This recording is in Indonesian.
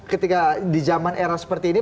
ketika di zaman era seperti ini